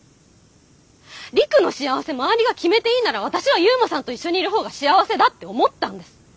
陸の幸せ周りが決めていいなら私は悠磨さんと一緒にいる方が幸せだって思ったんです。